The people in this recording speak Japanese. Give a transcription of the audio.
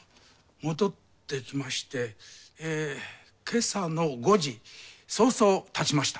戻ってきまして今朝の５時早々発ちました。